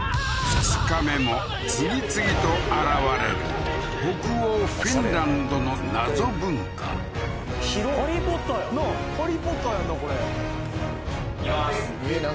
２日目も次々と現れる北欧フィンランドの謎文化ハリー・ポッターやなあハリー・ポッターやんなこれいきます